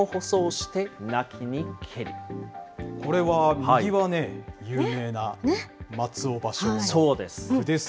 これは右はね、有名な松尾芭そうです。